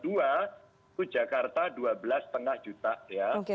itu jakarta dua belas lima juta ya